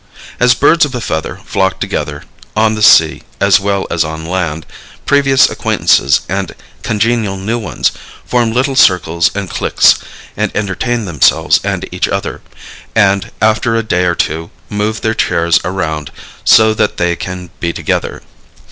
As birds of a feather flock together on the sea as well as on land, previous acquaintances and congenial new ones form little circles and cliques and entertain themselves and each other, and, after a day or two, move their chairs around so that they can be together.